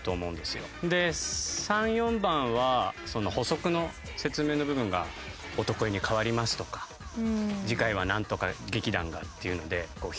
で３４番は補足の説明の部分が「男湯に変わります」とか「次回はなんとか劇団が」っていうのでひねりがあった。